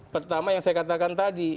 pertama yang saya katakan tadi